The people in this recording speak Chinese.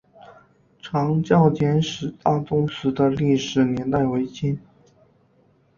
长教简氏大宗祠的历史年代为清。